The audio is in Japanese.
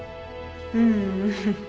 うん。